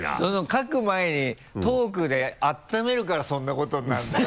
書く前にトークで温めるからそんなことになるんだよ。